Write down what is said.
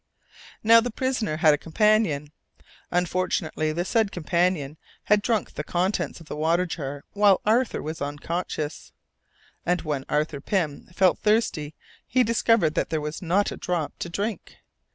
Now the prisoner had a companion. Unfortunately, the said companion had drunk the contents of the water jar while Arthur was unconscious, and when Arthur Pym felt thirsty, he discovered that there was "not a drop to drink!"